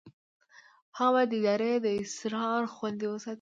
هغه باید د ادارې اسرار خوندي وساتي.